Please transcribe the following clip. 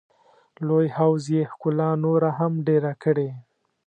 لوی حوض یې ښکلا نوره هم ډېره کړې.